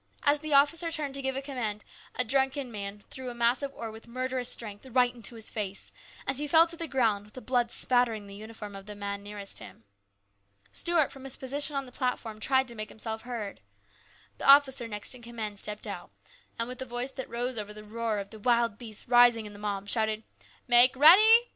As the officer turned to give a command, a drunken man threw a mass of ore with murderous strength right into his face, and he fell to the ground with the blood spattering the uniform of the man nearest him. Stuart from his position on the platform tried to make himself heard. The officer next in command stepped out, and in a voice that rose over the roar of the wild beast rising in the mob, shouted, " Make ready